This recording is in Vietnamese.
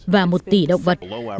và một tỷ động vật đã bị phá hủy